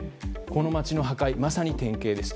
この街の破壊、まさに典型です。